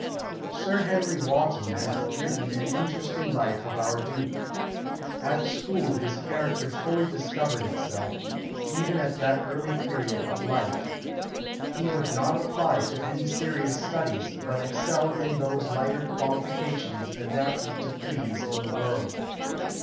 Sir Henry Wotton has written an interesting life of our duke. At school his character fully discovered itself, even at that early period of life. He would not apply to any serious studies, but excelled in those lighter qualifications adapted to please in the world.